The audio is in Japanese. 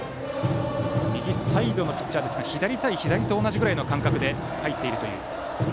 右サイドのピッチャーですが左対左と同じくらいの感覚で入っているという。